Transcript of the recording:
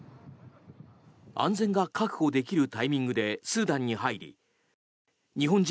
安全が確保できるタイミングでスーダンに入り日本人